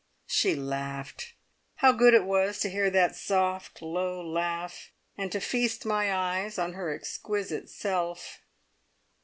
She laughed. How good it was to hear that soft, low laugh, and to feast my eyes on her exquisite self!